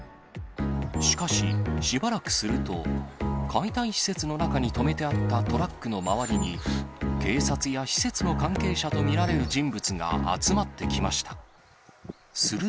しかし、しばらくすると、解体施設の中に止めてあったトラックの周りに、警察や施設の関係者と見られる人物が集まってきました。